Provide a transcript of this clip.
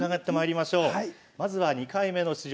まずは、２回目の出場